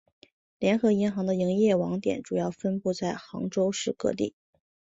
联合银行的营业网点主要分布在杭州市各地。